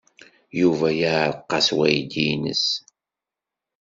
Yuba yeɛreq-as weydi-nnes.